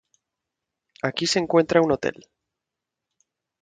Aquí se encuentra un hotel.